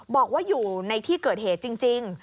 บอกว่าอยู่ในที่เกิดเหตุจริง